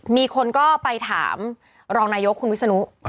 มีคนก็ไปถามรองนายกคุณวิศนุ